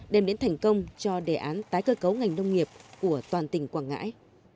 đem đến thành công cho đề án tái cơ cấu ngành nông nghiệp của toàn tỉnh quảng ngãi